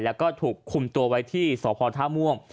และก็ถูกคุมตัวไว้ที่สธมวงศ์